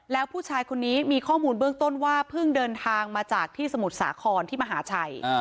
แล้วผู้ชายคนนี้มีข้อมูลเบื้องต้นว่าเพิ่งเดินทางมาจากที่สมุทรสาครที่มหาชัย